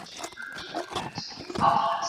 الله جل جلاله عزيز او حکيم ذات دی.